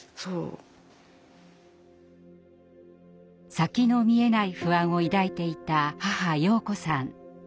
先の見えない不安を抱いていた母洋子さん。